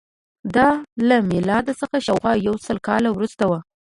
دا له میلاد څخه شاوخوا یو سل کاله وروسته وه